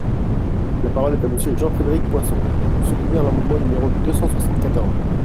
La parole est à Monsieur Jean-Frédéric Poisson, pour soutenir l’amendement numéro deux cent soixante-quatorze.